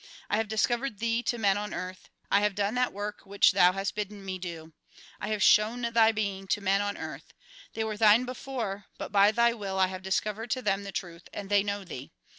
I have discovered Thee to men on earth ; I have done that work which Thou has bidden me do. I have rhown Thy being to men on earth. They were Thine before, but by Thy will I have discovered to them the truth, and they know Thee.